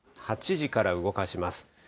８時から動かします。